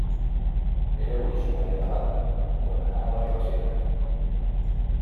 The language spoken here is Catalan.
Era originari de Nevada, on anà a la Universitat.